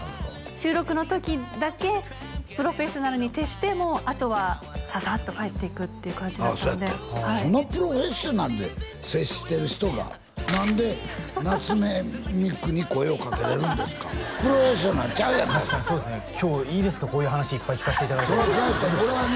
収録の時だけプロフェッショナルに徹してもうあとはささっと帰っていくっていう感じだったのでそのプロフェッショナルで接してる人がなんで夏目三久に声をかけれるんですかプロフェッショナルちゃうやんか確かにそうですね今日いいですかこういう話いっぱい聞かしていただいて俺はね